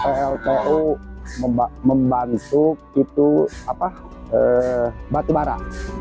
dan juga menguruskan kekacauan yang berlaku setelah kembali ke indonesia